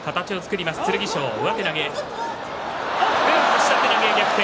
下手投げ、逆転